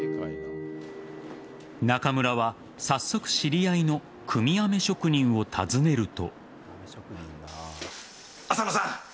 中村は、早速知り合いの組み飴職人を訪ねると。